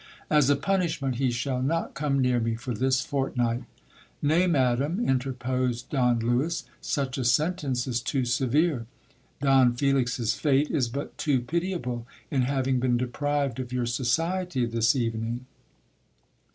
As a punishment, he shall not come near mc for this fortnight. Nay, madam, interposed Don Lewis, such a sentence is too severe. Don Felix's fate is but too pitiable, in having been deprived of your society this evening.